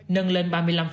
nâng lên ba mươi năm